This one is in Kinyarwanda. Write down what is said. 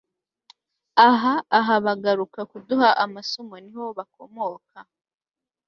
aha. aha bagaruka kuduha amasomo niho bakomoka